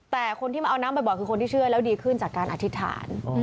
แต่คนที่มาเอาน้ำบ่อยคือคนที่เชื่อแล้วดีขึ้นจากการอธิษฐาน